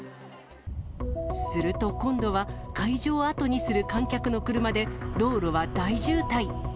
すると、今度は会場を後にする観客の車で道路は大渋滞。